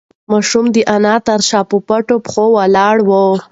ماشوم د انا تر شا په پټو پښو ولاړ و.